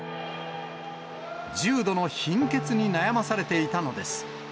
重度の貧血に悩まされていたのです。